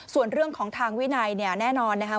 ส่วนเรื่องของทางวินัยเนี่ยแน่นอนนะคะ